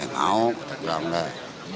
yang mau kita bilang deh